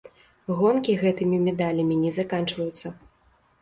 Гонкі гэтымі медалямі не заканчваюцца.